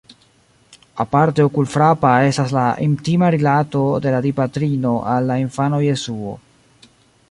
Aparte okulfrapa estas la intima rilato de la Dipatrino al la infano Jesuo.